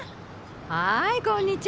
はいこんにちは。